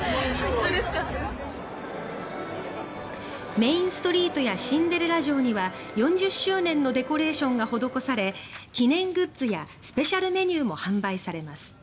メインストリートやシンデレラ城には４０周年のデコレーションが施され記念グッズやスペシャルメニューも販売されます。